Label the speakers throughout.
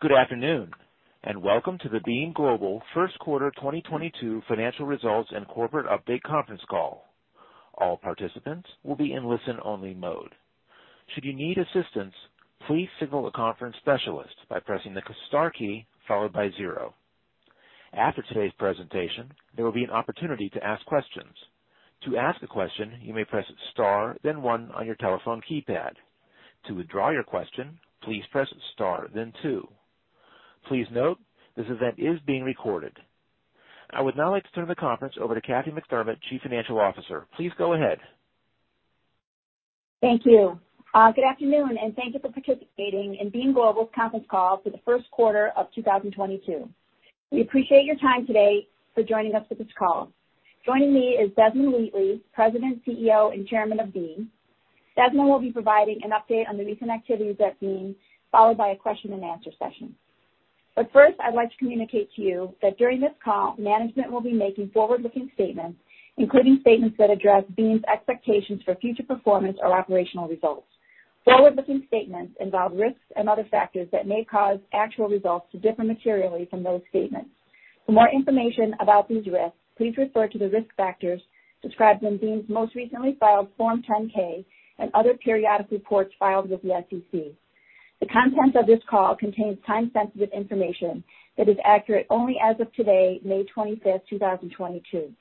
Speaker 1: Good afternoon, and welcome to the Beam Global First Quarter 2022 Financial Results and Corporate Update conference call. All participants will be in listen-only mode. Should you need assistance, please signal a conference specialist by pressing the star key followed by zero. After today's presentation, there will be an opportunity to ask questions. To ask a question, you may press star then one on your telephone keypad. To withdraw your question, please press star then two. Please note, this event is being recorded. I would now like to turn the conference over to Kathy McDermott, Chief Financial Officer. Please go ahead.
Speaker 2: Thank you. Good afternoon, and thank you for participating in Beam Global's conference call for the first quarter of 2022. We appreciate your time today for joining us for this call. Joining me is Desmond Wheatley, President, CEO, and Chairman of Beam. Desmond will be providing an update on the recent activities at Beam, followed by a question and answer session. First, I'd like to communicate to you that during this call, management will be making forward-looking statements, including statements that address Beam's expectations for future performance or operational results. Forward-looking statements involve risks and other factors that may cause actual results to differ materially from those statements. For more information about these risks, please refer to the risk factors described in Beam's most recently filed Form 10-K and other periodic reports filed with the SEC. The contents of this call contains time-sensitive information that is accurate only as of today, May 25, 2022.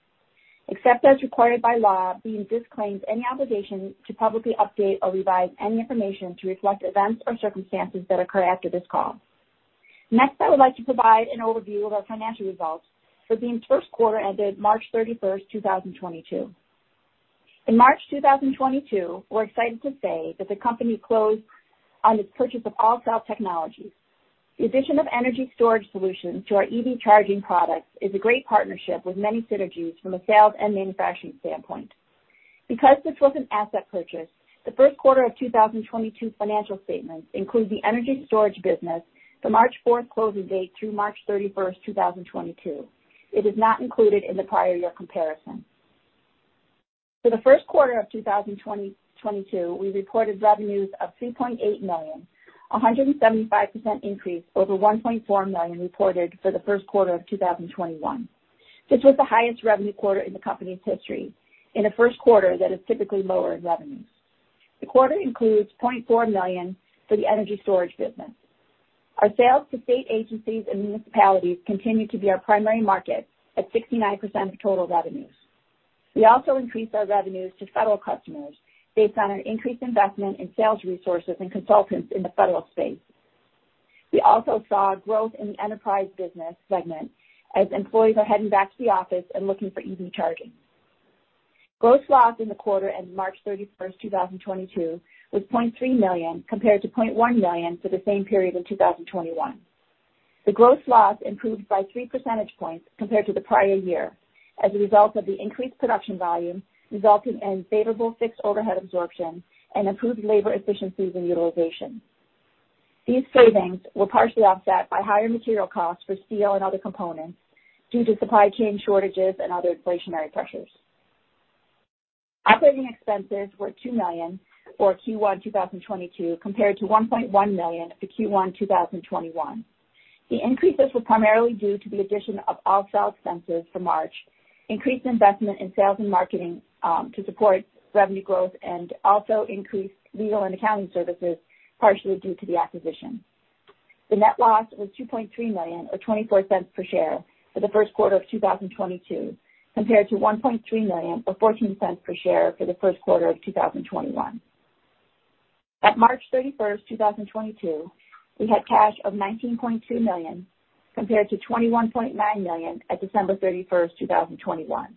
Speaker 2: Except as required by law, Beam disclaims any obligation to publicly update or revise any information to reflect events or circumstances that occur after this call. Next, I would like to provide an overview of our financial results for Beam's first quarter ended March 31, 2022. In March 2022, we're excited to say that the company closed on its purchase of AllCell Technologies. The addition of energy storage solutions to our EV charging products is a great partnership with many synergies from a sales and manufacturing standpoint. Because this was an asset purchase, the first quarter of 2022 financial statements include the energy storage business from March 4 closing date through March 31, 2022. It is not included in the prior year comparison. For the first quarter of 2022, we reported revenues of $3.8 million, a 175% increase over $1.4 million reported for the first quarter of 2021. This was the highest revenue quarter in the company's history in a first quarter that is typically lower in revenue. The quarter includes $0.4 million for the energy storage business. Our sales to state agencies and municipalities continue to be our primary market at 69% of total revenues. We also increased our revenues to federal customers based on an increased investment in sales resources and consultants in the federal space. We also saw growth in the enterprise business segment as employees are heading back to the office and looking for EV charging. Gross loss in the quarter ended March 31, 2022 was $0.3 million, compared to $0.1 million for the same period in 2021. The gross loss improved by 3 percentage points compared to the prior year as a result of the increased production volume, resulting in favorable fixed overhead absorption and improved labor efficiencies and utilization. These savings were partially offset by higher material costs for steel and other components due to supply chain shortages and other inflationary pressures. Operating expenses were $2 million for Q1 2022, compared to $1.1 million for Q1 2021. The increases were primarily due to the addition of AllCell expenses for March, increased investment in sales and marketing to support revenue growth and also increased legal and accounting services, partially due to the acquisition. The net loss was $2.3 million or $0.24 per share for the first quarter of 2022, compared to $1.3 million or $0.14 per share for the first quarter of 2021. At March 31, 2022, we had cash of $19.2 million compared to $21.9 million at December 31, 2021.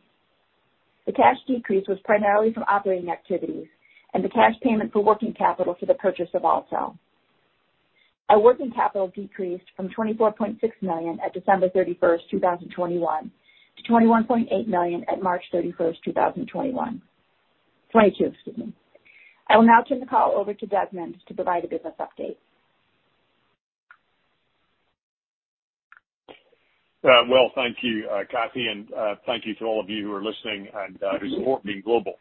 Speaker 2: The cash decrease was primarily from operating activities and the cash payment for working capital for the purchase of AllCell. Our working capital decreased from $24.6 million at December 31, 2021 to $21.8 million at March 31, 2022. I will now turn the call over to Desmond to provide a business update.
Speaker 3: Well, thank you, Kathy, and thank you to all of you who are listening and who support Beam Global.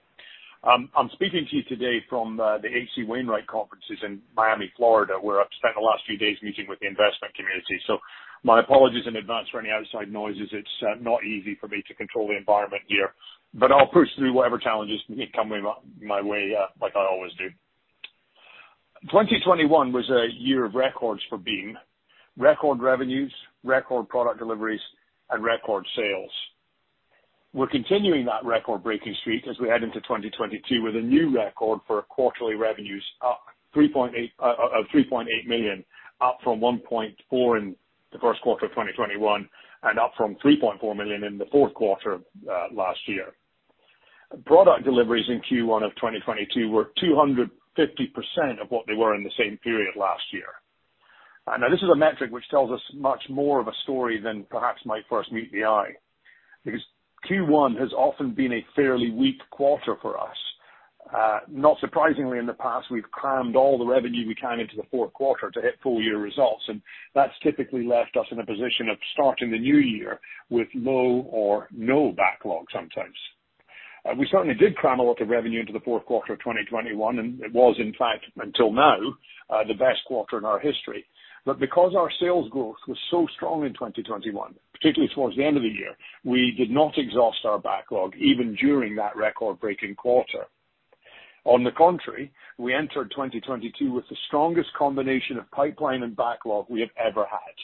Speaker 3: I'm speaking to you today from the H.C. Wainwright Conferences in Miami, Florida, where I've spent the last few days meeting with the investment community. My apologies in advance for any outside noises. It's not easy for me to control the environment here, but I'll push through whatever challenges may come my way, like I always do. 2021 was a year of records for Beam. Record revenues, record product deliveries, and record sales. We're continuing that record-breaking streak as we head into 2022 with a new record for quarterly revenues of $3.8 million, up from $1.4 million in the first quarter of 2021 and up from $3.4 million in the fourth quarter last year. Product deliveries in Q1 of 2022 were 250% of what they were in the same period last year. Now this is a metric which tells us much more of a story than perhaps might first meet the eye, because Q1 has often been a fairly weak quarter for us. Not surprisingly, in the past, we've crammed all the revenue we can into the fourth quarter to hit full-year results, and that's typically left us in a position of starting the new year with low or no backlog sometimes. We certainly did cram a lot of revenue into the fourth quarter of 2021, and it was in fact, until now, the best quarter in our history. Because our sales growth was so strong in 2021, particularly towards the end of the year, we did not exhaust our backlog even during that record-breaking quarter. On the contrary, we entered 2022 with the strongest combination of pipeline and backlog we have ever had.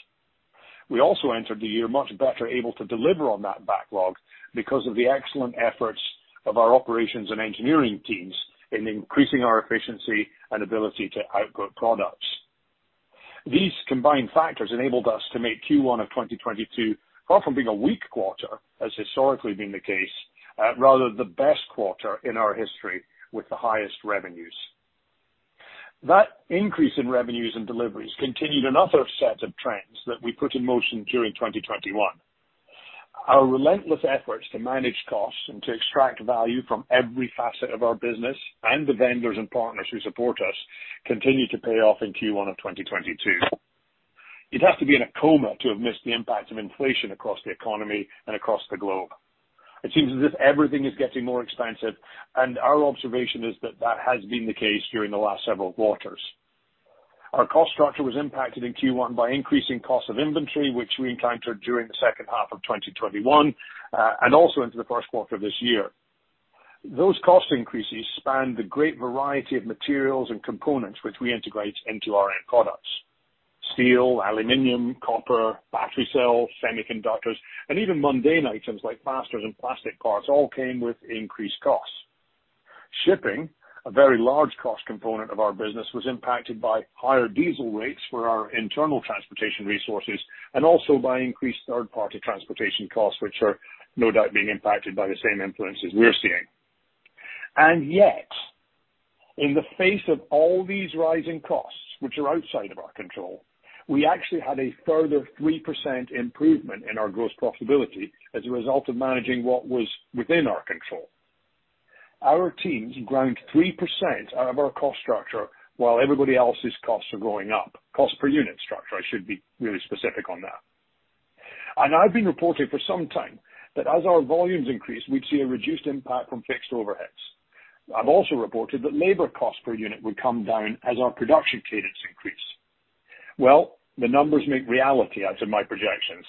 Speaker 3: We also entered the year much better able to deliver on that backlog because of the excellent efforts of our operations and engineering teams in increasing our efficiency and ability to output products. These combined factors enabled us to make Q1 of 2022, far from being a weak quarter as historically been the case, rather the best quarter in our history with the highest revenues. That increase in revenues and deliveries continued another set of trends that we put in motion during 2021. Our relentless efforts to manage costs and to extract value from every facet of our business and the vendors and partners who support us continue to pay off in Q1 of 2022. You'd have to be in a coma to have missed the impact of inflation across the economy and across the globe. It seems as if everything is getting more expensive, and our observation is that that has been the case during the last several quarters. Our cost structure was impacted in Q1 by increasing cost of inventory, which we encountered during the second half of 2021, and also into the first quarter of this year. Those cost increases spanned the great variety of materials and components which we integrate into our end products. Steel, aluminum, copper, battery cells, semiconductors, and even mundane items like plasters and plastic parts all came with increased costs. Shipping, a very large cost component of our business, was impacted by higher diesel rates for our internal transportation resources and also by increased third-party transportation costs, which are no doubt being impacted by the same influences we're seeing. Yet, in the face of all these rising costs, which are outside of our control, we actually had a further 3% improvement in our gross profitability as a result of managing what was within our control. Our teams ground 3% out of our cost structure while everybody else's costs are going up. Cost per unit structure, I should be really specific on that. I've been reporting for some time that as our volumes increase, we'd see a reduced impact from fixed overheads. I've also reported that labor cost per unit would come down as our production cadence increase. Well, the numbers make reality out of my projections.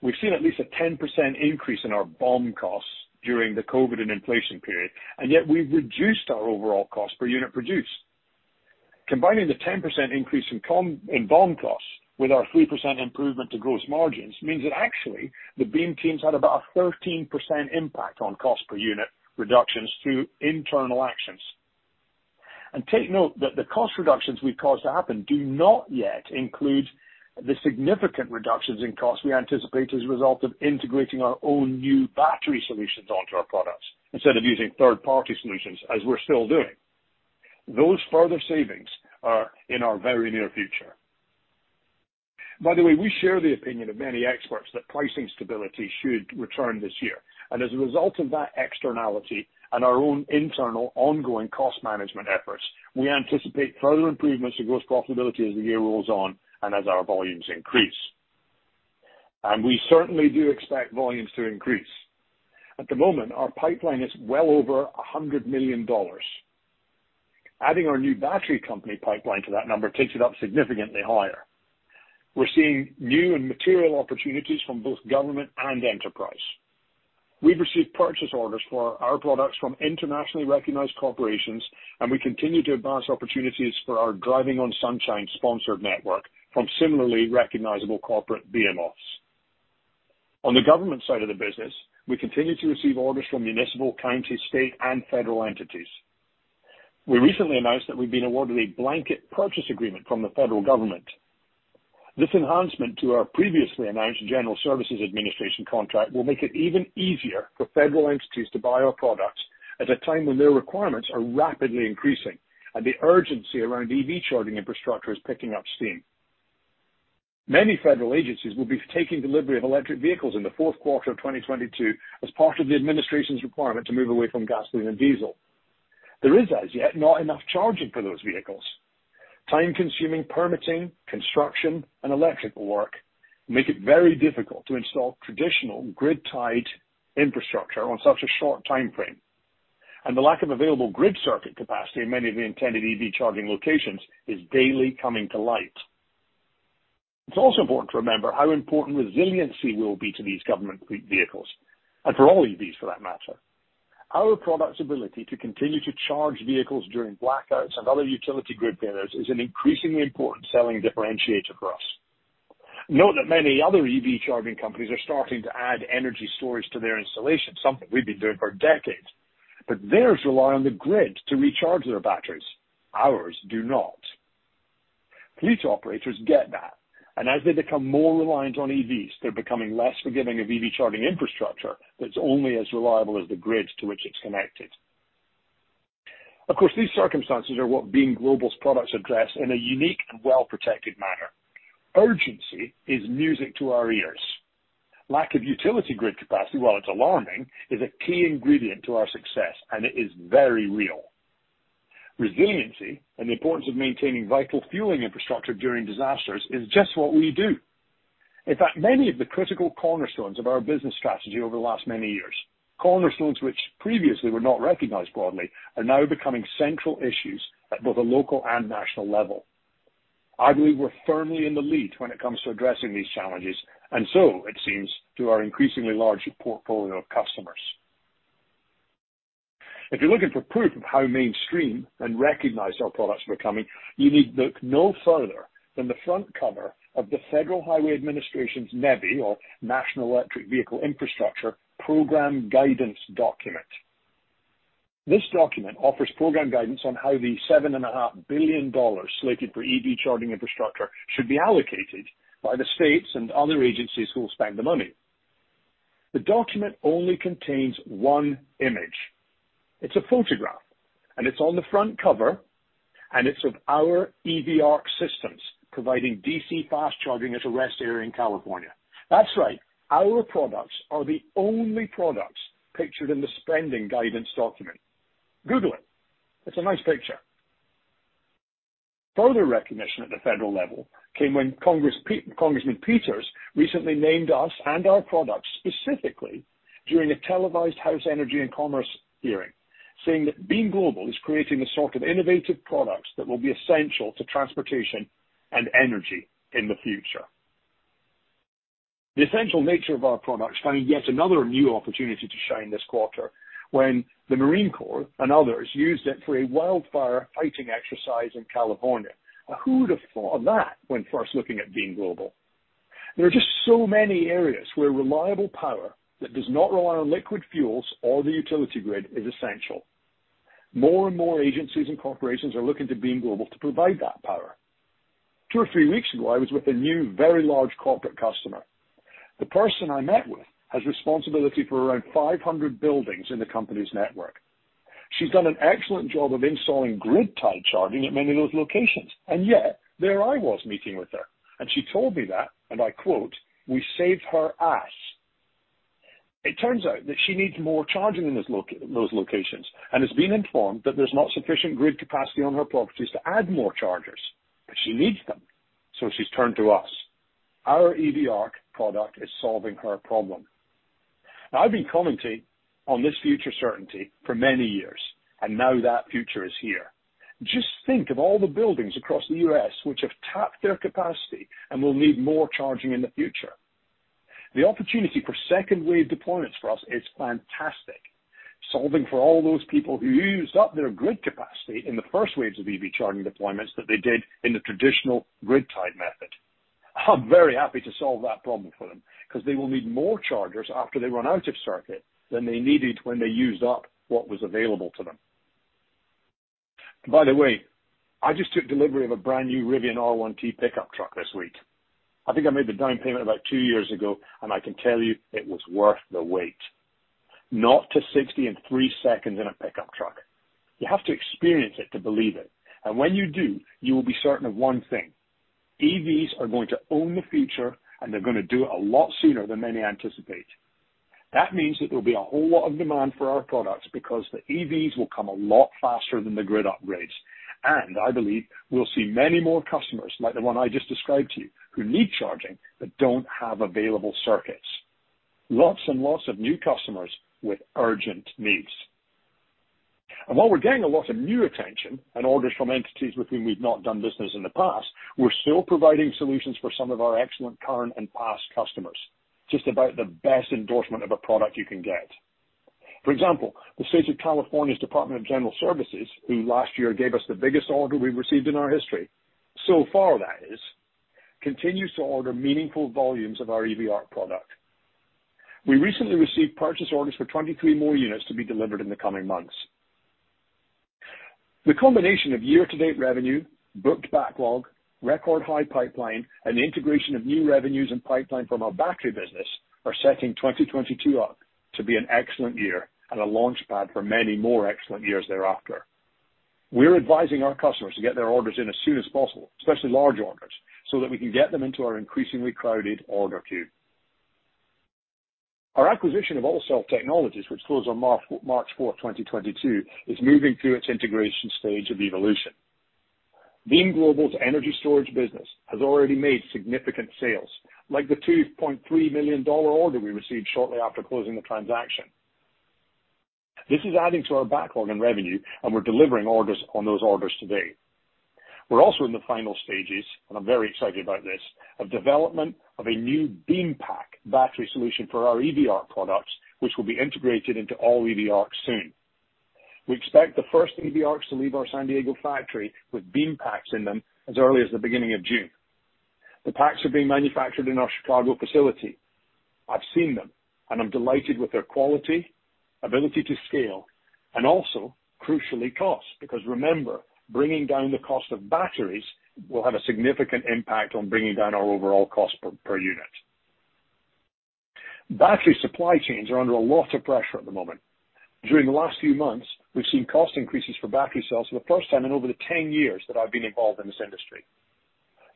Speaker 3: We've seen at least a 10% increase in our BOM costs during the COVID and inflation period, and yet we've reduced our overall cost per unit produced. Combining the 10% increase in BOM costs with our 3% improvement to gross margins means that actually the Beam teams had about a 13% impact on cost per unit reductions through internal actions. Take note that the cost reductions we've caused to happen do not yet include the significant reductions in costs we anticipate as a result of integrating our own new battery solutions onto our products instead of using third-party solutions as we're still doing. Those further savings are in our very near future. By the way, we share the opinion of many experts that pricing stability should return this year. As a result of that externality and our own internal ongoing cost management efforts, we anticipate further improvements in gross profitability as the year rolls on and as our volumes increase. We certainly do expect volumes to increase. At the moment, our pipeline is well over $100 million. Adding our new battery company pipeline to that number takes it up significantly higher. We're seeing new and material opportunities from both government and enterprise. We've received purchase orders for our products from internationally recognized corporations, and we continue to advance opportunities for our Driving on Sunshine sponsored network from similarly recognizable corporate names. On the government side of the business, we continue to receive orders from municipal, county, state, and federal entities. We recently announced that we've been awarded a blanket purchase agreement from the federal government. This enhancement to our previously announced General Services Administration contract will make it even easier for federal entities to buy our products at a time when their requirements are rapidly increasing and the urgency around EV charging infrastructure is picking up steam. Many federal agencies will be taking delivery of electric vehicles in the fourth quarter of 2022 as part of the administration's requirement to move away from gasoline and diesel. There is, as yet, not enough charging for those vehicles. Time-consuming permitting, construction, and electrical work make it very difficult to install traditional grid-tied infrastructure on such a short timeframe. The lack of available grid circuit capacity in many of the intended EV charging locations is daily coming to light. It's also important to remember how important resiliency will be to these government fleet vehicles, and for all EVs for that matter. Our product's ability to continue to charge vehicles during blackouts and other utility grid failures is an increasingly important selling differentiator for us. Note that many other EV charging companies are starting to add energy storage to their installation, something we've been doing for decades. Theirs rely on the grid to recharge their batteries. Ours do not. Fleet operators get that, and as they become more reliant on EVs, they're becoming less forgiving of EV charging infrastructure that's only as reliable as the grid to which it's connected. Of course, these circumstances are what Beam Global's products address in a unique and well-protected manner. Urgency is music to our ears. Lack of utility grid capacity, while it's alarming, is a key ingredient to our success, and it is very real. Resiliency and the importance of maintaining vital fueling infrastructure during disasters is just what we do. In fact, many of the critical cornerstones of our business strategy over the last many years, cornerstones which previously were not recognized broadly, are now becoming central issues at both a local and national level. I believe we're firmly in the lead when it comes to addressing these challenges, and so it seems to our increasingly large portfolio of customers. If you're looking for proof of how mainstream and recognized our products were becoming, you need look no further than the front cover of the Federal Highway Administration's NEVI or National Electric Vehicle Infrastructure program guidance document. This document offers program guidance on how the $7.5 billion slated for EV charging infrastructure should be allocated by the states and other agencies who will spend the money. The document only contains one image. It's a photograph, and it's on the front cover, and it's of our EV ARC systems providing DC fast charging at a rest area in California. That's right, our products are the only products pictured in the spending guidance document. Google it. It's a nice picture. Further recognition at the federal level came when Congressman Peters recently named us and our products specifically during a televised House Committee on Energy and Commerce hearing, saying that Beam Global is creating the sort of innovative products that will be essential to transportation and energy in the future. The essential nature of our products found yet another new opportunity to shine this quarter when the Marine Corps and others used it for a wildfire fighting exercise in California. Now, who would have thought of that when first looking at Beam Global? There are just so many areas where reliable power that does not rely on liquid fuels or the utility grid is essential. More and more agencies and corporations are looking to Beam Global to provide that power. 2 or 3 weeks ago, I was with a new, very large corporate customer. The person I met with has responsibility for around 500 buildings in the company's network. She's done an excellent job of installing grid-tied charging at many of those locations, and yet there I was meeting with her, and she told me that, and I quote, "We saved her ass." It turns out that she needs more charging in those locations and has been informed that there's not sufficient grid capacity on her properties to add more chargers, but she needs them, so she's turned to us. Our EV ARC product is solving her problem. Now, I've been commenting on this future certainty for many years, and now that future is here. Just think of all the buildings across the U.S. which have tapped their capacity and will need more charging in the future. The opportunity for second wave deployments for us is fantastic, solving for all those people who used up their grid capacity in the first waves of EV charging deployments that they did in the traditional grid-type method. I'm very happy to solve that problem for them because they will need more chargers after they run out of circuit than they needed when they used up what was available to them. By the way, I just took delivery of a brand-new Rivian R1T pickup truck this week. I think I made the down payment about two years ago, and I can tell you it was worth the wait. 0-60 in 3 seconds in a pickup truck. You have to experience it to believe it. When you do, you will be certain of one thing. EVs are going to own the future, and they're gonna do it a lot sooner than many anticipate. That means that there'll be a whole lot of demand for our products because the EVs will come a lot faster than the grid upgrades. I believe we'll see many more customers like the one I just described to you, who need charging but don't have available circuits. Lots and lots of new customers with urgent needs. While we're getting a lot of new attention and orders from entities with whom we've not done business in the past, we're still providing solutions for some of our excellent current and past customers. Just about the best endorsement of a product you can get. For example, the California Department of General Services, who last year gave us the biggest order we've received in our history, so far that is, continues to order meaningful volumes of our EV ARC product. We recently received purchase orders for 23 more units to be delivered in the coming months. The combination of year-to-date revenue, booked backlog, record high pipeline, and the integration of new revenues and pipeline from our battery business are setting 2022 up to be an excellent year and a launchpad for many more excellent years thereafter. We're advising our customers to get their orders in as soon as possible, especially large orders, so that we can get them into our increasingly crowded order queue. Our acquisition of AllCell Technologies, which closed on March fourth, 2022, is moving through its integration stage of evolution. Beam Global's energy storage business has already made significant sales, like the $2.3 million order we received shortly after closing the transaction. This is adding to our backlog and revenue, and we're delivering orders on those orders today. We're also in the final stages, and I'm very excited about this, of development of a new Beam Pack battery solution for our EV ARC products, which will be integrated into all EV ARCs soon. We expect the first EV ARCs to leave our San Diego factory with Beam Packs in them as early as the beginning of June. The packs are being manufactured in our Chicago facility. I've seen them, and I'm delighted with their quality, ability to scale, and also, crucially, cost. Because remember, bringing down the cost of batteries will have a significant impact on bringing down our overall cost per unit. Battery supply chains are under a lot of pressure at the moment. During the last few months, we've seen cost increases for battery cells for the first time in over 10 years that I've been involved in this industry.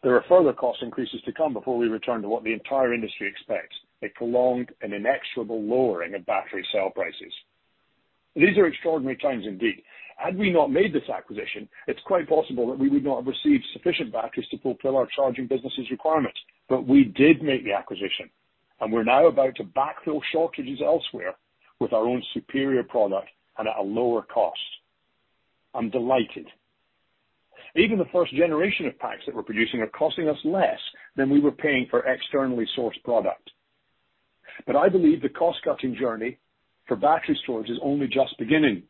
Speaker 3: There are further cost increases to come before we return to what the entire industry expects, a prolonged and inexorable lowering of battery cell prices. These are extraordinary times indeed. Had we not made this acquisition, it's quite possible that we would not have received sufficient batteries to fulfill our charging business' requirements. We did make the acquisition, and we're now about to backfill shortages elsewhere with our own superior product and at a lower cost. I'm delighted. Even the first generation of packs that we're producing are costing us less than we were paying for externally sourced product. I believe the cost-cutting journey for battery storage is only just beginning.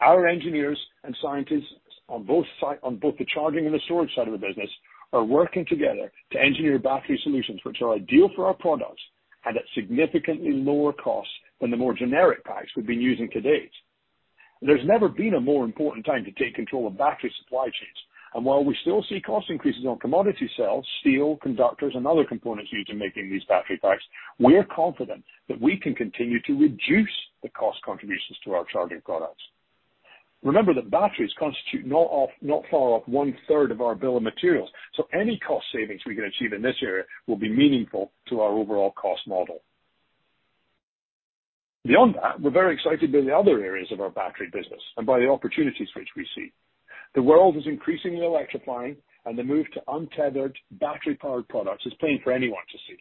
Speaker 3: Our engineers and scientists on both the charging and the storage side of the business are working together to engineer battery solutions which are ideal for our products and at significantly lower costs than the more generic packs we've been using to date. There's never been a more important time to take control of battery supply chains, and while we still see cost increases on commodity cells, steel, conductors, and other components used in making these battery packs, we are confident that we can continue to reduce the cost contributions to our charging products. Remember that batteries constitute not far off one-third of our bill of materials, so any cost savings we can achieve in this area will be meaningful to our overall cost model. Beyond that, we're very excited by the other areas of our battery business and by the opportunities which we see. The world is increasingly electrifying, and the move to untethered battery-powered products is plain for anyone to see.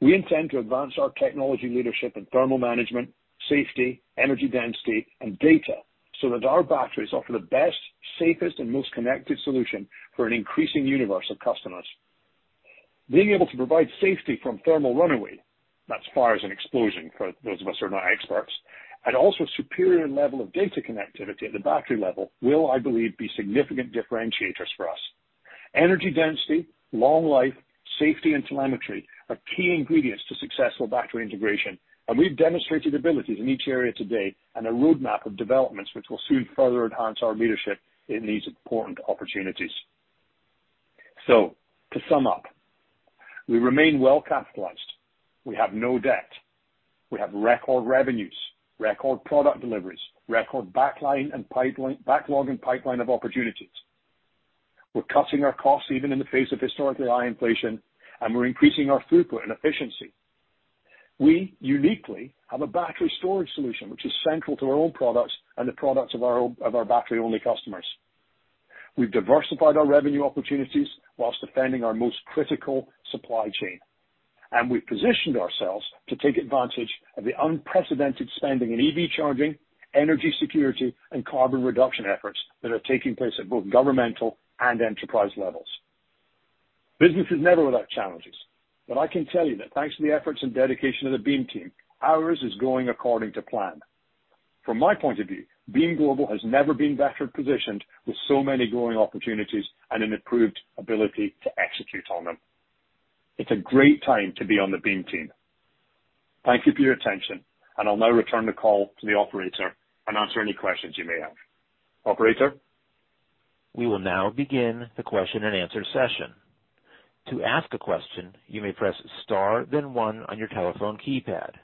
Speaker 3: We intend to advance our technology leadership in thermal management, safety, energy density, and data, so that our batteries offer the best, safest, and most connected solution for an increasing universe of customers. Being able to provide safety from thermal runaway, that's fires and explosion for those of us who are not experts, and also superior level of data connectivity at the battery level will, I believe, be significant differentiators for us. Energy density, long life, safety, and telemetry are key ingredients to successful battery integration, and we've demonstrated abilities in each area today and a roadmap of developments which will soon further enhance our leadership in these important opportunities. To sum up, we remain well-capitalized. We have no debt. We have record revenues, record product deliveries, record backlog and pipeline of opportunities. We're cutting our costs even in the face of historically high inflation, and we're increasing our throughput and efficiency. We uniquely have a battery storage solution which is central to our own products and the products of our battery-only customers. We've diversified our revenue opportunities while defending our most critical supply chain, and we've positioned ourselves to take advantage of the unprecedented spending in EV charging, energy security, and carbon reduction efforts that are taking place at both governmental and enterprise levels. Business is never without challenges, but I can tell you that thanks to the efforts and dedication of the Beam team, ours is going according to plan. From my point of view, Beam Global has never been better positioned with so many growing opportunities and an improved ability to execute on them. It's a great time to be on the Beam team. Thank you for your attention, and I'll now return the call to the operator and answer any questions you may have. Operator?
Speaker 1: We will now begin the question-and-answer session. To ask a question, you may press star then one on your telephone keypad.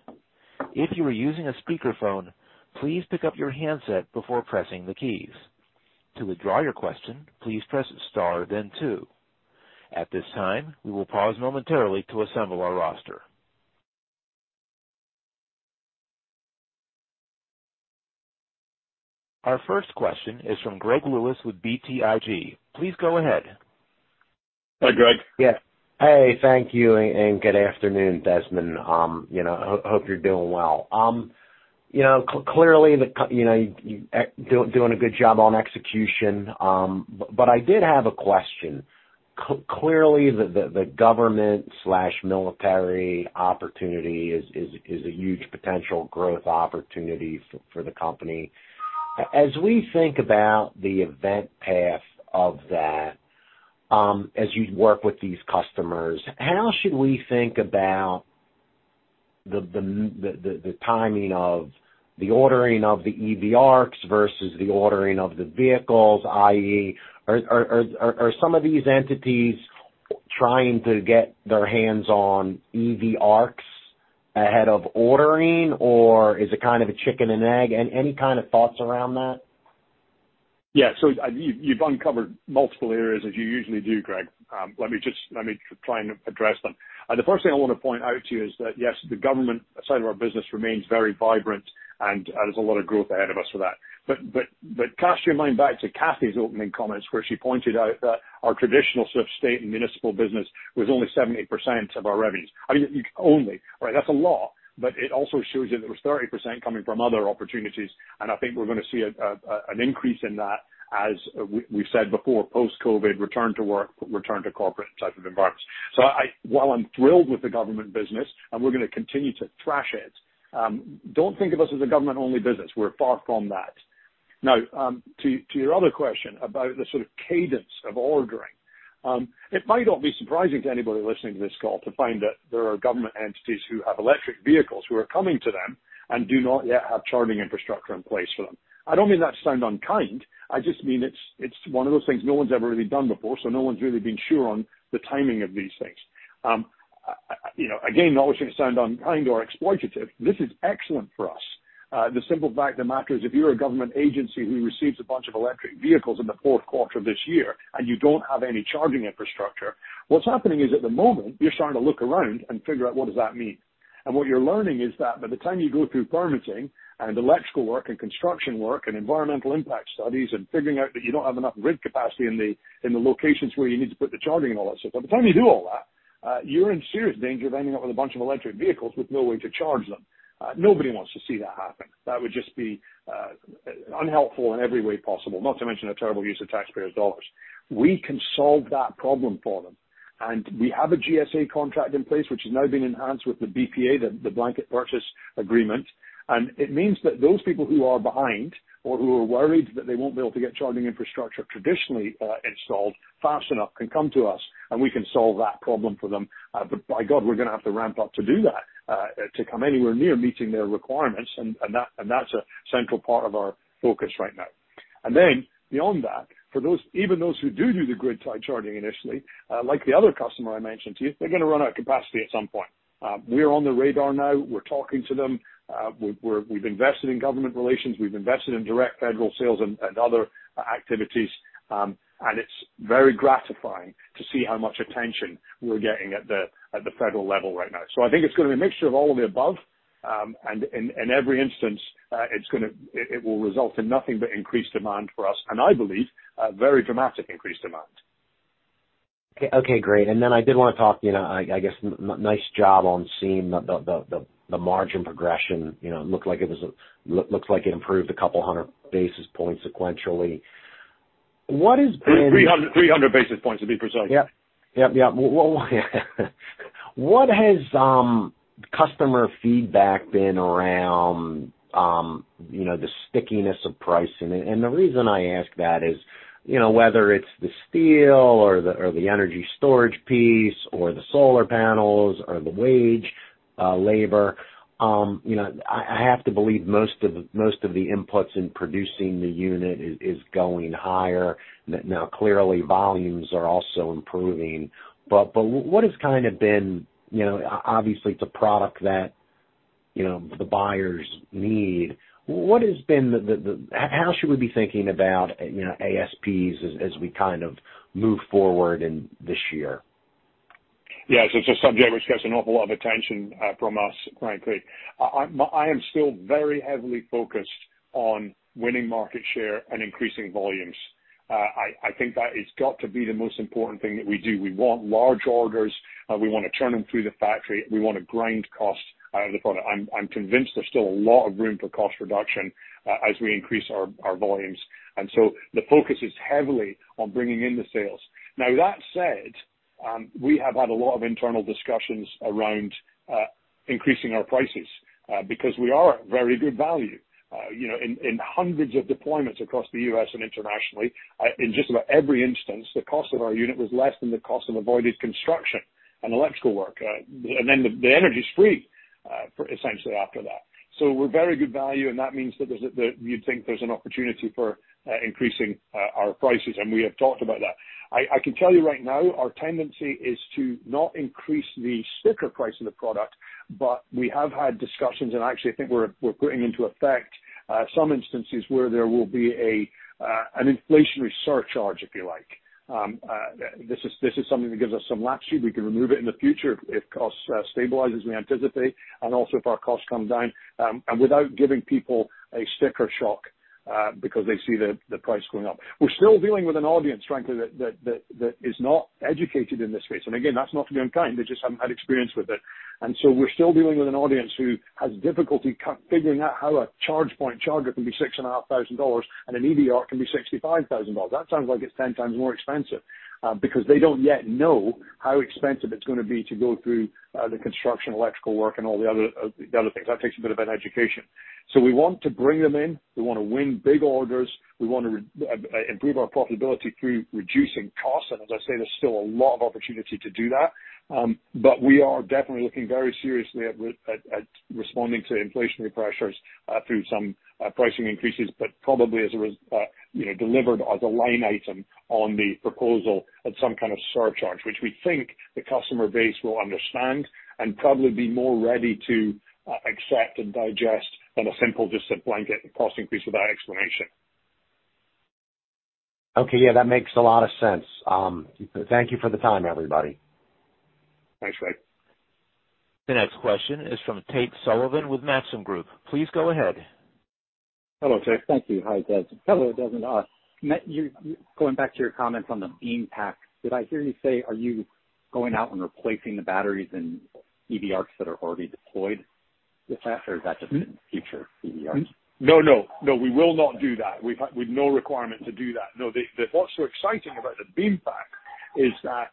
Speaker 1: If you are using a speakerphone, please pick up your handset before pressing the keys. To withdraw your question, please press star then two. At this time, we will pause momentarily to assemble our roster. Our first question is from Greg Lewis with BTIG. Please go ahead.
Speaker 3: Hi, Greg.
Speaker 4: Yeah. Hey, thank you and good afternoon, Desmond. You know, hope you're doing well. You know, clearly you know, you're doing a good job on execution. I did have a question. Clearly the government and military opportunity is a huge potential growth opportunity for the company. As we think about the event path of that, as you work with these customers, how should we think about the timing of the ordering of the EV ARCs versus the ordering of the vehicles? i.e., are some of these entities trying to get their hands on EV ARCs ahead of ordering, or is it kind of a chicken and egg? Any kind of thoughts around that?
Speaker 3: Yeah. You've uncovered multiple areas as you usually do, Greg. Let me try and address them. The first thing I want to point out to you is that, yes, the government side of our business remains very vibrant and there's a lot of growth ahead of us for that. Cast your mind back to Kathy's opening comments, where she pointed out that our traditional sort of state and municipal business was only 70% of our revenues. I mean, only, right, that's a lot, but it also shows you that there was 30% coming from other opportunities, and I think we're gonna see an increase in that as we've said before, post-COVID return to work, return to corporate type of environments. While I'm thrilled with the government business, and we're gonna continue to thrash it, don't think of us as a government-only business. We're far from that. Now, to your other question about the sort of cadence of ordering, it might not be surprising to anybody listening to this call to find that there are government entities who have electric vehicles who are coming to them and do not yet have charging infrastructure in place for them. I don't mean that to sound unkind, I just mean it's one of those things no one's ever really done before, so no one's really been sure on the timing of these things. You know, again, not wishing to sound unkind or exploitative, this is excellent for us. The simple fact of the matter is if you're a government agency who receives a bunch of electric vehicles in the fourth quarter of this year and you don't have any charging infrastructure, what's happening is at the moment, you're starting to look around and figure out what does that mean. What you're learning is that by the time you go through permitting and electrical work and construction work and environmental impact studies and figuring out that you don't have enough grid capacity in the locations where you need to put the charging and all that stuff, by the time you do all that, you're in serious danger of ending up with a bunch of electric vehicles with no way to charge them. Nobody wants to see that happen. That would just be unhelpful in every way possible, not to mention a terrible use of taxpayers' dollars. We can solve that problem for them, and we have a GSA contract in place, which has now been enhanced with the BPA, the blanket purchase agreement. It means that those people who are behind or who are worried that they won't be able to get charging infrastructure traditionally installed fast enough can come to us, and we can solve that problem for them. By God, we're gonna have to ramp up to do that to come anywhere near meeting their requirements and that's a central part of our focus right now. Then beyond that, for those, even those who do the grid-tie charging initially, like the other customer I mentioned to you, they're gonna run out of capacity at some point. We're on the radar now. We're talking to them. We're, we've invested in government relations. We've invested in direct federal sales and other activities, and it's very gratifying to see how much attention we're getting at the federal level right now. I think it's gonna be a mixture of all of the above. In every instance, it will result in nothing but increased demand for us and I believe, a very dramatic increased demand.
Speaker 4: Okay, great. I did wanna talk, you know, I guess nice job on seeing the margin progression. You know, it looks like it improved a couple hundred basis points sequentially. What has been-
Speaker 3: 300 basis points to be precise.
Speaker 4: Yeah. Yep, yeah. Well, what has customer feedback been around, you know, the stickiness of pricing? The reason I ask that is, you know, whether it's the steel or the energy storage piece or the solar panels or the wage labor, you know, I have to believe most of the inputs in producing the unit is going higher. Now, clearly, volumes are also improving. What has kind of been, you know? Obviously, it's a product that, you know, the buyers need. How should we be thinking about, you know, ASPs as we kind of move forward in this year?
Speaker 3: Yes, it's a subject which gets an awful lot of attention from us, frankly. I am still very heavily focused on winning market share and increasing volumes. I think that has got to be the most important thing that we do. We want large orders. We wanna turn them through the factory. We wanna grind cost out of the product. I'm convinced there's still a lot of room for cost reduction as we increase our volumes. The focus is heavily on bringing in the sales. Now, that said, we have had a lot of internal discussions around increasing our prices because we are at very good value. You know, in hundreds of deployments across the U.S. and internationally, in just about every instance, the cost of our unit was less than the cost of avoided construction and electrical work. The energy is free for essentially after that. We're very good value, and that means that you'd think there's an opportunity for increasing our prices, and we have talked about that. I can tell you right now, our tendency is to not increase the sticker price of the product, but we have had discussions, and actually, I think we're putting into effect some instances where there will be an inflationary surcharge, if you like. This is something that gives us some latitude. We can remove it in the future if costs stabilize as we anticipate, and also if our costs come down, and without giving people a sticker shock, because they see the price going up. We're still dealing with an audience, frankly, that is not educated in this space. Again, that's not to be unkind. They just haven't had experience with it. We're still dealing with an audience who has difficulty figuring out how a ChargePoint charger can be $6,500 and an EV ARC can be $65,000. That sounds like it's ten times more expensive, because they don't yet know how expensive it's gonna be to go through the construction, electrical work, and all the other things. That takes a bit of an education. We want to bring them in. We wanna win big orders. We wanna improve our profitability through reducing costs. As I say, there's still a lot of opportunity to do that. But we are definitely looking very seriously at responding to inflationary pressures through some pricing increases, but probably, you know, delivered as a line item on the proposal at some kind of surcharge, which we think the customer base will understand and probably be more ready to accept and digest than a simple just a blanket cost increase without explanation.
Speaker 4: Okay. Yeah, that makes a lot of sense. Thank you for the time, everybody.
Speaker 3: Thanks, Greg.
Speaker 1: The next question is from Tate Sullivan with Maxim Group. Please go ahead.
Speaker 3: Hello, Tate.
Speaker 5: Thank you. Hi, Des. Hello, Desmond. You going back to your comments on the Beam Pack, did I hear you say are you going out and replacing the batteries in EV ARCs that are already deployed with that? Or is that just in future EV ARCs?
Speaker 3: No, we will not do that. We've no requirement to do that. No. What's so exciting about the Beam Pack is that,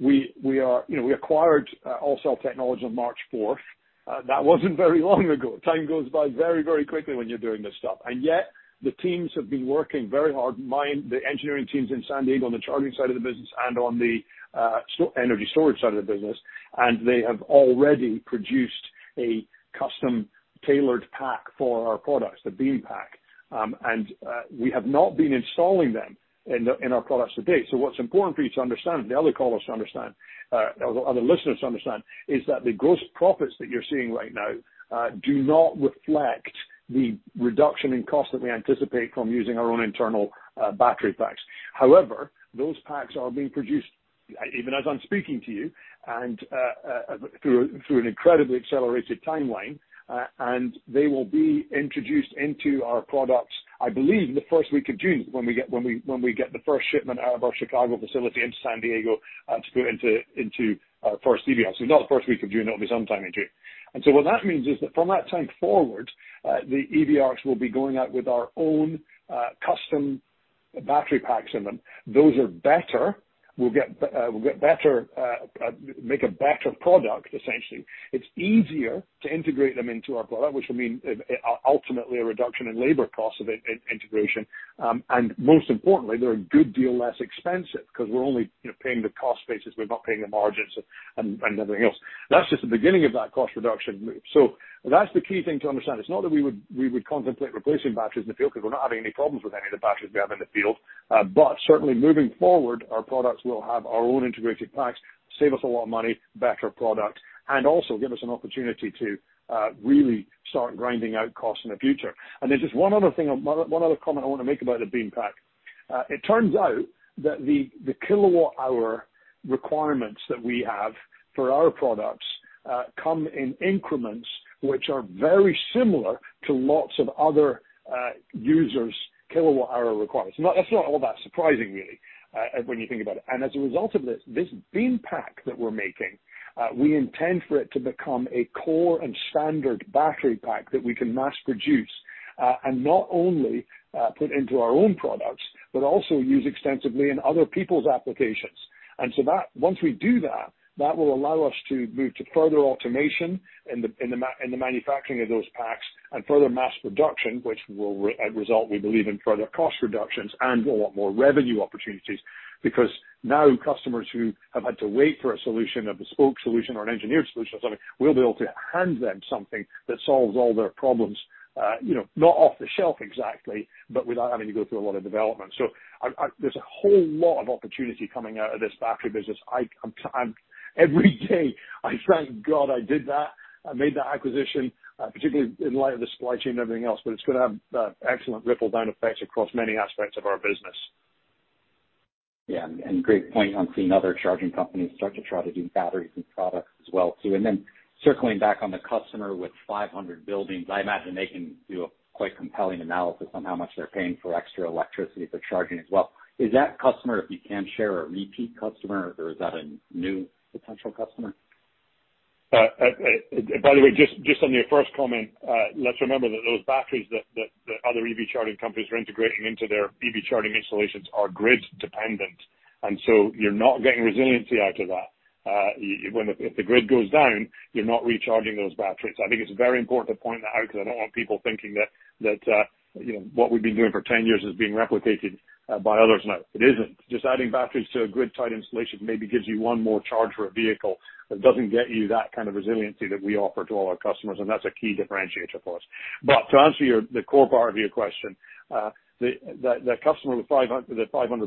Speaker 3: we are, you know, we acquired AllCell Technologies on March fourth. That wasn't very long ago. Time goes by very, very quickly when you're doing this stuff. Yet the teams have been working very hard. The engineering teams in San Diego on the charging side of the business and on the energy storage side of the business, and they have already produced a custom tailored pack for our products, the Beam Pack. We have not been installing them in our products to date. What's important for you to understand, the other callers to understand, or the other listeners to understand, is that the gross profits that you're seeing right now do not reflect the reduction in cost that we anticipate from using our own internal battery packs. However, those packs are being produced, even as I'm speaking to you, and through an incredibly accelerated timeline, and they will be introduced into our products, I believe the first week of June when we get the first shipment out of our Chicago facility into San Diego, to put into our first EV ARC. If not the first week of June, it'll be sometime in June. What that means is that from that time forward, the EV ARCs will be going out with our own custom battery packs in them. Those are better. We'll get better make a better product, essentially. It's easier to integrate them into our product, which will mean ultimately a reduction in labor costs of integration. Most importantly, they're a good deal less expensive because we're only, you know, paying the cost basis. We're not paying the margins and everything else. That's just the beginning of that cost reduction move. That's the key thing to understand. It's not that we would contemplate replacing batteries in the field because we're not having any problems with any of the batteries we have in the field. Certainly moving forward, our products will have our own integrated packs, save us a lot of money, better product, and also give us an opportunity to really start grinding out costs in the future. There's just one other thing, one other comment I wanna make about the Beam Pack. It turns out that the kilowatt-hour requirements that we have for our products come in increments which are very similar to lots of other users' kilowatt-hour requirements. That's not all that surprising really, when you think about it. As a result of this Beam Pack that we're making, we intend for it to become a core and standard battery pack that we can mass produce, and not only put into our own products, but also use extensively in other people's applications. That, once we do that, will allow us to move to further automation in the manufacturing of those packs and further mass production, which will result, we believe, in further cost reductions and a lot more revenue opportunities. Because now customers who have had to wait for a solution, a bespoke solution or an engineered solution or something, we'll be able to hand them something that solves all their problems, you know, not off the shelf exactly, but without having to go through a lot of development. There's a whole lot of opportunity coming out of this battery business. Every day I thank God I did that. I made that acquisition, particularly in light of the supply chain and everything else, but it's gonna have excellent ripple-down effects across many aspects of our business.
Speaker 5: Yeah, great point on seeing other charging companies start to try to do batteries and products as well too. Then circling back on the customer with 500 buildings, I imagine they can do a quite compelling analysis on how much they're paying for extra electricity for charging as well. Is that customer, if you can share, a repeat customer, or is that a new potential customer?
Speaker 3: By the way, just on your first comment, let's remember that those batteries that other EV charging companies are integrating into their EV charging installations are grid dependent. You're not getting resiliency out of that. When the grid goes down, you're not recharging those batteries. I think it's very important to point that out because I don't want people thinking that you know, what we've been doing for 10 years is being replicated by others now. It isn't. Just adding batteries to a grid-tied installation maybe gives you one more charge for a vehicle, but doesn't get you that kind of resiliency that we offer to all our customers, and that's a key differentiator for us. To answer your, the core part of your question, the customer with 500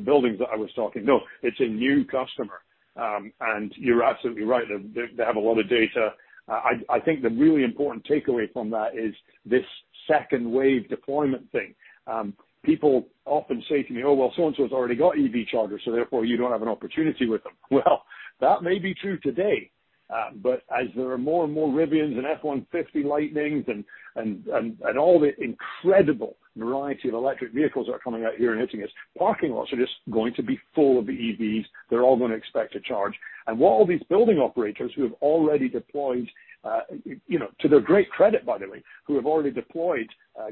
Speaker 3: buildings that I was talking, no, it's a new customer. You're absolutely right. They have a lot of data. I think the really important takeaway from that is this second wave deployment thing. People often say to me, "Oh, well, so and so's already got EV chargers, so therefore you don't have an opportunity with them." Well, that may be true today, but as there are more and more Rivians and F-150 Lightnings and all the incredible variety of electric vehicles that are coming out here and hitting us, parking lots are just going to be full of EVs. They're all gonna expect to charge. What all these building operators who have already deployed, you know, to their great credit, by the way,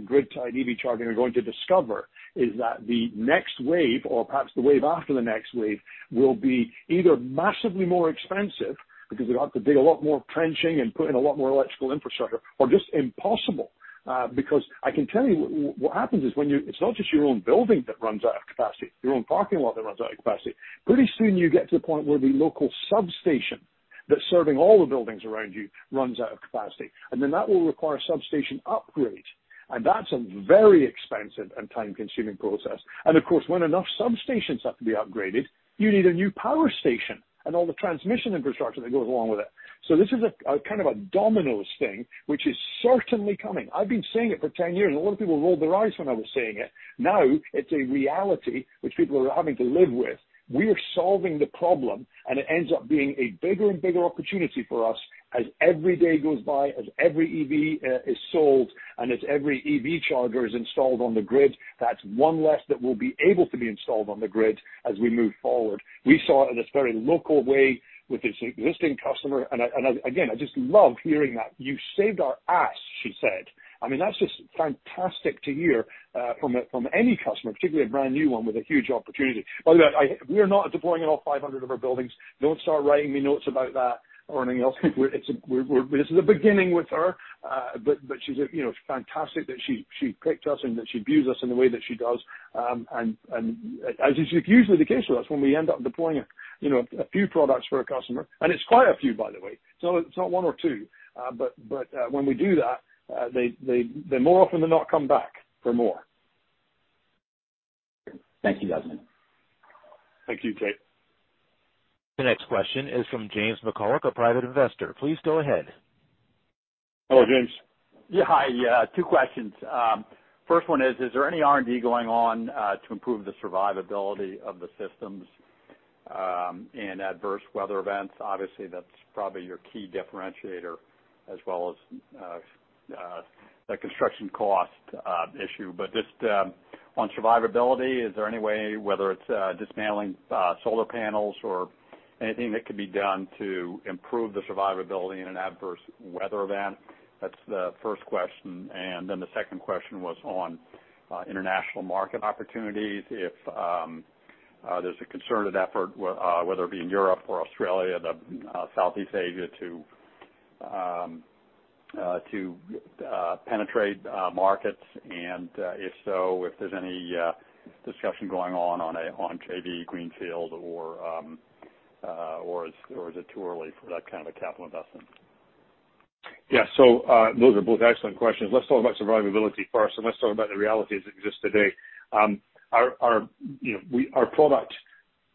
Speaker 3: grid-tied EV charging are going to discover is that the next wave, or perhaps the wave after the next wave, will be either massively more expensive because they're gonna have to do a lot more trenching and put in a lot more electrical infrastructure or just impossible. Because I can tell you what happens is it's not just your own building that runs out of capacity, your own parking lot that runs out of capacity. Pretty soon you get to the point where the local substation that's serving all the buildings around you runs out of capacity, and then that will require substation upgrade. That's a very expensive and time-consuming process. Of course, when enough substations have to be upgraded, you need a new power station and all the transmission infrastructure that goes along with it. This is a kind of a dominoes thing, which is certainly coming. I've been saying it for 10 years, and a lot of people rolled their eyes when I was saying it. Now it's a reality which people are having to live with. We are solving the problem, and it ends up being a bigger and bigger opportunity for us as every day goes by, as every EV is sold, and as every EV charger is installed on the grid, that's one less that will be able to be installed on the grid as we move forward. We saw it in this very local way with this existing customer. I again just love hearing that, "You saved our ass," she said. I mean, that's just fantastic to hear from any customer, particularly a brand-new one with a huge opportunity. By the way, we are not deploying in all 500 of her buildings. Don't start writing me notes about that or anything else. This is the beginning with her. She's, you know, fantastic that she picked us and that she views us in the way that she does. As is usually the case with us, when we end up deploying, you know, a few products for a customer, and it's quite a few, by the way, so it's not one or two, but when we do that, they more often than not come back for more.
Speaker 5: Thank you, Desmond.
Speaker 3: Thank you, Tate.
Speaker 1: The next question is from James McCullough, a private investor. Please go ahead.
Speaker 3: Hello, James.
Speaker 6: Yeah. Hi. Yeah, two questions. First one is there any R&D going on to improve the survivability of the systems in adverse weather events? Obviously, that's probably your key differentiator as well as the construction cost issue. But just on survivability, is there any way, whether it's dismantling solar panels or anything that could be done to improve the survivability in an adverse weather event? That's the first question. And then the second question was on international market opportunities. If there's a concerted effort, whether it be in Europe or Australia, the Southeast Asia to penetrate markets, and if so, if there's any discussion going on on a JV greenfield or is it too early for that kind of a capital investment?
Speaker 3: Yeah, those are both excellent questions. Let's talk about survivability first, and let's talk about the realities that exist today. Our product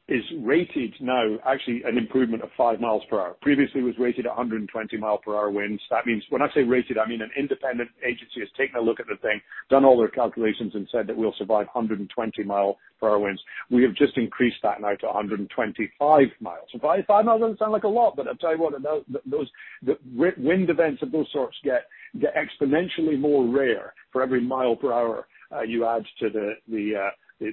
Speaker 3: is rated now, actually an improvement of 5 miles per hour. Previously, it was rated 100-mile-per-hour winds. That means, when I say rated, I mean, an independent agency has taken a look at the thing, done all their calculations and said that we'll survive 100-mile-per-hour winds. We have just increased that now to 125 miles. 5 miles doesn't sound like a lot, but I'll tell you what, those wind events of those sorts get exponentially more rare for every mile per hour you add to that sort of equation. Now, that's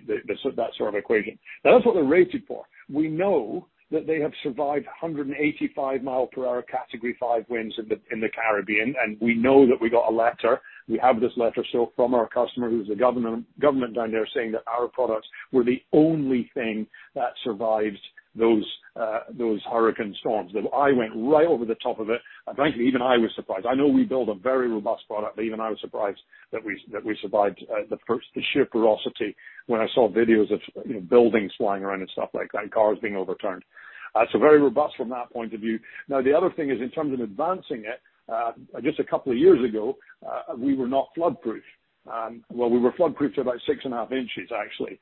Speaker 3: what they're rated for. We know that they have survived 185-mile-per-hour Category 5 winds in the Caribbean. We know that we got a letter. We have this letter still from our customer who's the government down there saying that our products were the only thing that survived those hurricane storms. That I went right over the top of it. Frankly, even I was surprised. I know we build a very robust product. Even I was surprised that we survived the sheer ferocity when I saw videos of, you know, buildings flying around and stuff like that and cars being overturned. Very robust from that point of view. Now, the other thing is in terms of advancing it, just a couple of years ago, we were not flood proof. Well, we were flood proof to about 6.5 inches actually.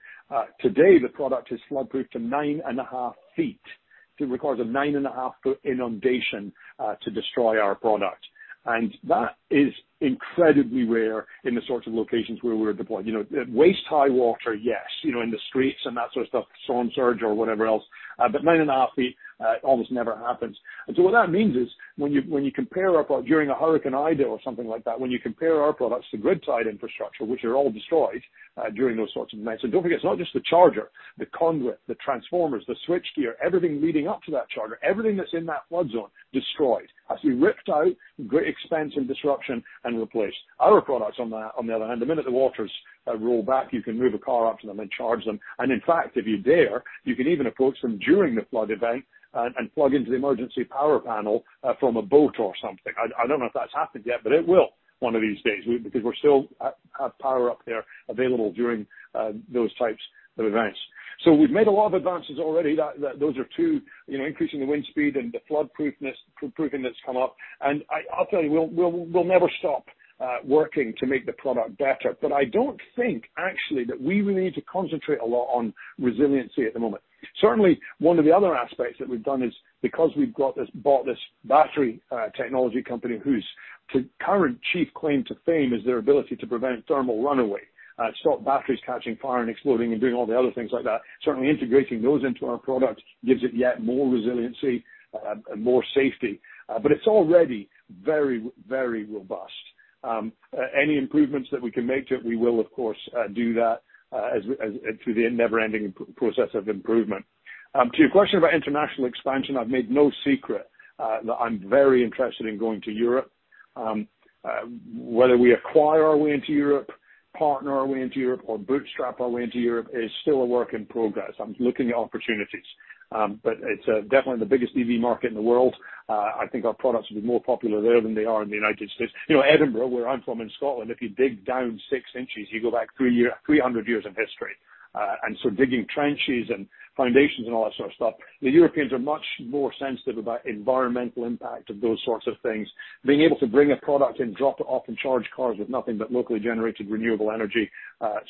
Speaker 3: Today, the product is flood proof to 9.5 feet. It requires a 9.5-foot inundation to destroy our product. That is incredibly rare in the sorts of locations where we're deployed. You know, waist-high water, yes, you know, in the streets and that sort of stuff, storm surge or whatever else. But 9.5 feet almost never happens. What that means is when you compare our product during a Hurricane Ida or something like that, when you compare our products to grid side infrastructure, which are all destroyed during those sorts of events. Don't forget, it's not just the charger. The conduit, the transformers, the switchgear, everything leading up to that charger, everything that's in that flood zone, destroyed. Actually ripped out, great expense and disruption and replaced. Our products on the other hand, the minute the waters roll back, you can move a car up to them and charge them. In fact, if you dare, you can even approach them during the flood event and plug into the emergency power panel from a boat or something. I don't know if that's happened yet, but it will one of these days because we still have power up there available during those types of events. We've made a lot of advances already. That those are two, increasing the wind speed and the flood proofing that's come up. I'll tell you, we'll never stop working to make the product better. I don't think actually that we really need to concentrate a lot on resiliency at the moment. Certainly, one of the other aspects that we've done is because we've bought this battery technology company whose current chief claim to fame is their ability to prevent thermal runaway, stop batteries catching fire and exploding and doing all the other things like that. Certainly integrating those into our product gives it yet more resiliency and more safety. It's already very robust. Any improvements that we can make to it, we will of course do that as through the never-ending process of improvement. To your question about international expansion, I've made no secret that I'm very interested in going to Europe. Whether we acquire our way into Europe, partner our way into Europe, or bootstrap our way into Europe is still a work in progress. I'm looking at opportunities. It's definitely the biggest EV market in the world. I think our products will be more popular there than they are in the United States. You know, Edinburgh, where I'm from in Scotland, if you dig down 6 inches, you go back 300 years of history. Digging trenches and foundations and all that sort of stuff, the Europeans are much more sensitive about environmental impact of those sorts of things. Being able to bring a product in, drop it off and charge cars with nothing but locally generated renewable energy,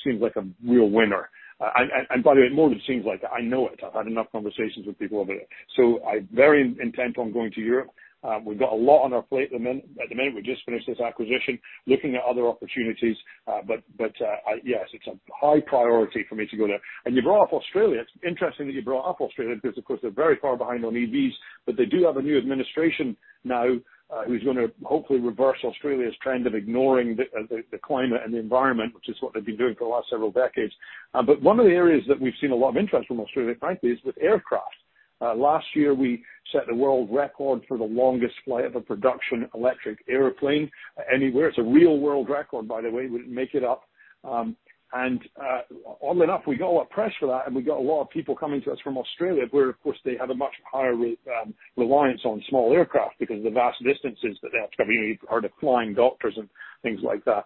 Speaker 3: seems like a real winner. By the way, it more than seems like it. I know it. I've had enough conversations with people over there. I'm very intent on going to Europe. We've got a lot on our plate at the minute. We just finished this acquisition. Looking at other opportunities. Yes, it's a high priority for me to go there. You brought up Australia. It's interesting that you brought up Australia because, of course, they're very far behind on EVs, but they do have a new administration now, who's gonna hopefully reverse Australia's trend of ignoring the climate and the environment, which is what they've been doing for the last several decades. One of the areas that we've seen a lot of interest from Australia, frankly, is with aircraft. Last year, we set the world record for the longest flight of a production electric airplane anywhere. It's a real world record, by the way. We didn't make it up. Oddly enough, we got a lot of press for that, and we got a lot of people coming to us from Australia, where, of course, they have a much higher reliance on small aircraft because of the vast distances that they have to cover. You know, they are deploying doctors and things like that.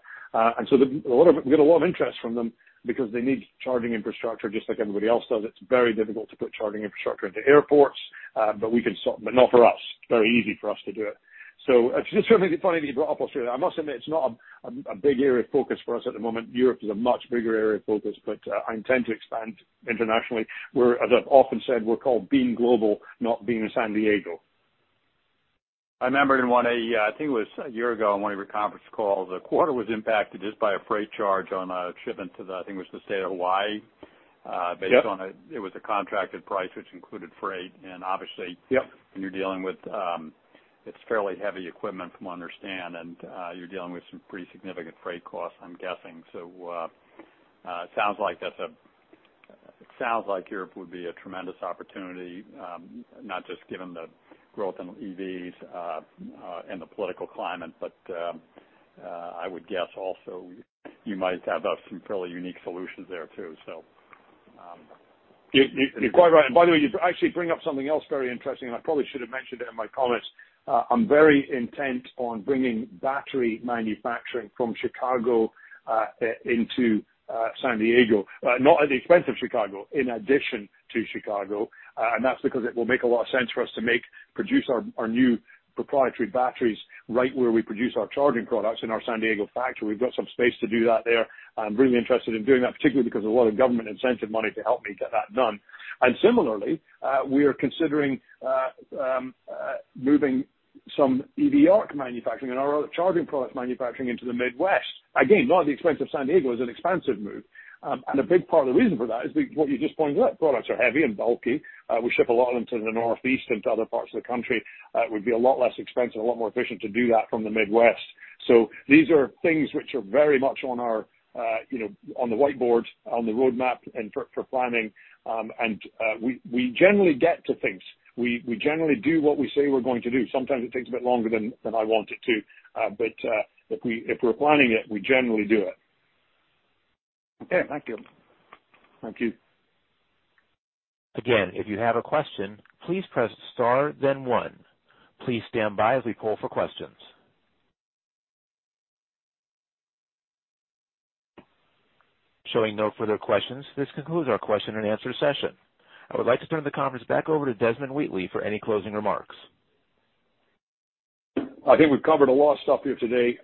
Speaker 3: We get a lot of interest from them because they need charging infrastructure just like everybody else does. It's very difficult to put charging infrastructure into airports. Not for us. Very easy for us to do it. It's certainly a funny thing you brought up Australia. I must admit, it's not a big area of focus for us at the moment. Europe is a much bigger area of focus, but, I intend to expand internationally, where, as I've often said, we're called Beam Global, not Beam San Diego.
Speaker 6: I remember in one, I think it was a year ago on one of your conference calls, a quarter was impacted just by a freight charge on a shipment to the, I think it was the state of Hawaii.
Speaker 3: Yep.
Speaker 6: Based on a, it was a contracted price which included freight. Obviously-
Speaker 3: Yep.
Speaker 6: When you're dealing with, it's fairly heavy equipment from what I understand, and you're dealing with some pretty significant freight costs, I'm guessing. It sounds like Europe would be a tremendous opportunity, not just given the growth in EVs and the political climate, but I would guess also you might have some fairly unique solutions there too.
Speaker 3: You're quite right. By the way, you actually bring up something else very interesting, and I probably should have mentioned it in my comments. I'm very intent on bringing battery manufacturing from Chicago into San Diego. Not at the expense of Chicago, in addition to Chicago. That's because it will make a lot of sense for us to produce our new proprietary batteries right where we produce our charging products in our San Diego factory. We've got some space to do that there. I'm really interested in doing that, particularly because of a lot of government incentive money to help me get that done. Similarly, we are considering moving some EV ARC manufacturing and our other charging products manufacturing into the Midwest. Again, not at the expense of San Diego. It's an expansive move. A big part of the reason for that is what you just pointed out. Products are heavy and bulky. We ship a lot into the Northeast and to other parts of the country. It would be a lot less expensive, a lot more efficient to do that from the Midwest. These are things which are very much on our, you know, on the whiteboard, on the roadmap and for planning. We generally get to things. We generally do what we say we're going to do. Sometimes it takes a bit longer than I want it to, but if we're planning it, we generally do it.
Speaker 6: Okay. Thank you.
Speaker 3: Thank you.
Speaker 1: Again, if you have a question, please press star then one. Please stand by as we poll for questions. Showing no further questions, this concludes our question and answer session. I would like to turn the conference back over to Desmond Wheatley for any closing remarks.
Speaker 3: I think we've covered a lot of stuff here today.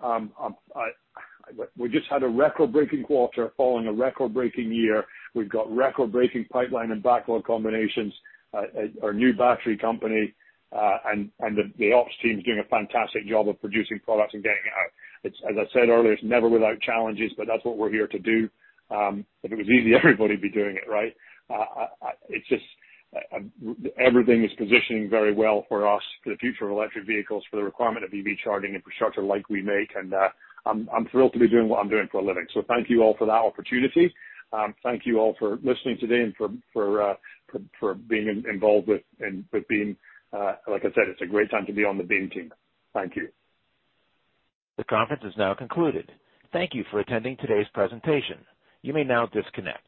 Speaker 3: We just had a record-breaking quarter following a record-breaking year. We've got record-breaking pipeline and backlog combinations, our new battery company, and the ops team is doing a fantastic job of producing products and getting out. It's, as I said earlier, never without challenges, but that's what we're here to do. If it was easy, everybody'd be doing it, right? It's just everything is positioning very well for us for the future of electric vehicles, for the requirement of EV charging infrastructure like we make. I'm thrilled to be doing what I'm doing for a living. Thank you all for that opportunity. Thank you all for listening today and for being involved with Beam. Like I said, it's a great time to be on the Beam team. Thank you.
Speaker 1: The conference is now concluded. Thank you for attending today's presentation. You may now disconnect.